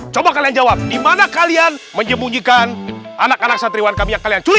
coba kalian jawab di mana kalian menjembunyikan anak anak satriwan kami yang kalian curi